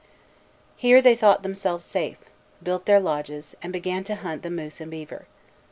Here they thought themselves safe, built their lodges, and began to hunt the moose and beaver.